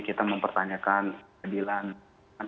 kita mempertanyakan keadilan